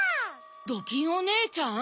「ドキンおねえちゃん」？